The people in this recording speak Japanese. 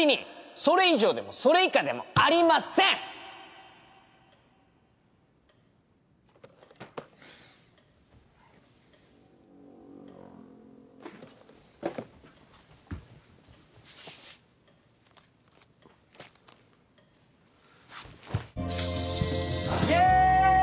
それ以上でもそれ以下でもありませんイェイ！